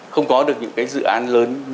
không có được những cái dự án lớn như thế này